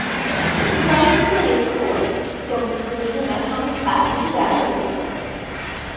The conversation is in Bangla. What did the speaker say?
চলচ্চিত্রের স্কোর সঙ্গীত প্রযোজনা সংস্থা বিটি দ্বারা রচিত।